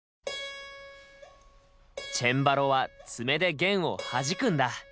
チェンバロは爪で弦をはじくんだ。